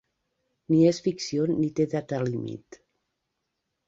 Ni és ficció ni té data límit.